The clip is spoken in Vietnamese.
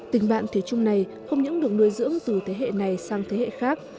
tình bạn thủy chung này không những được nuôi dưỡng từ thế hệ này sang thế hệ khác